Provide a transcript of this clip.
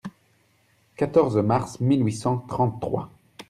«quatorze mars mille huit cent trente-trois.